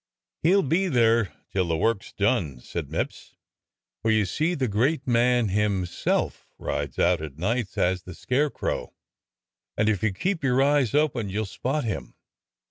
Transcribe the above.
"He'll be there till the work's done," said Mipps, "for you see the great man himself rides out at nights as the scarecrow, and if you keep your eyes open you'll spot him.